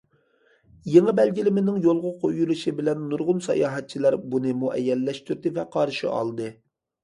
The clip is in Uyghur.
يېڭى بەلگىلىمىنىڭ يولغا قويۇلۇشى بىلەن نۇرغۇن ساياھەتچىلەر بۇنى مۇئەييەنلەشتۈردى ۋە قارشى ئالدى.